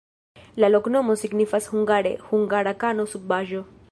La loknomo signifas hungare: hungara-kano-subaĵo.